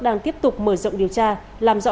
đang tiếp tục mở rộng điều tra làm rõ